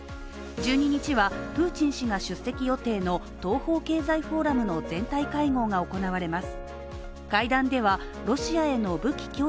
１２日は、プーチン氏が出席予定の東方経済フォーラムの全体会合が行われます。